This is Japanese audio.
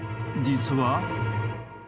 実は］